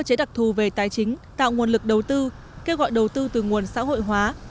cơ chế đặc thù về tài chính tạo nguồn lực đầu tư kêu gọi đầu tư từ nguồn xã hội hóa